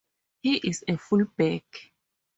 He is a fullback.